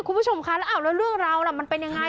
คุณผู้ชมคะแล้วเรื่องราวล่ะมันเป็นยังไง